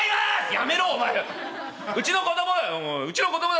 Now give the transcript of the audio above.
「やめろお前。